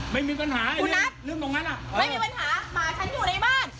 ไม่มีปัญหาไงคุณนัทเรื่องตรงนั้นอ่ะไม่มีปัญหาหมาฉันอยู่ในบ้าน